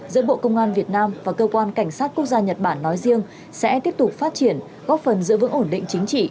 giữa bộ công an việt nam và cơ quan cảnh sát quốc gia nhật bản nói riêng sẽ tiếp tục phát triển góp phần giữ vững ổn định chính trị